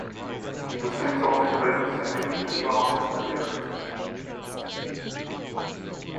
He was sent off in both his second and last appearance.